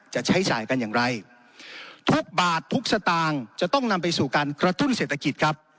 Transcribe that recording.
จะใช้จ่ายกันอย่างไรทุกบาททุกสตางค์จะต้องนำไปสู่การกระตุ้นเศรษฐกิจครับ